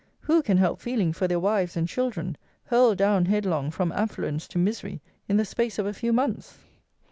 Who can help feeling for their wives and children, hurled down headlong from affluence to misery in the space of a few months!